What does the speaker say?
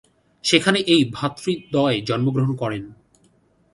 সেখানেই এই ভ্রাতৃদ্বয় জন্মগ্রহণ করেন।